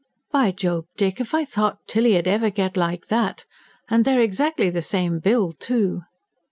By Job, Dick, if I thought Tilly 'ud ever get like that ... and they're exactly the same build, too."